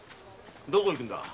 どこへ行くんだ？